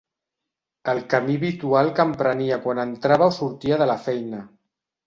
El camí habitual que emprenia quan entrava o sortia de la feina.